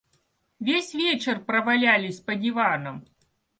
Весь вечер провалялись по диванам.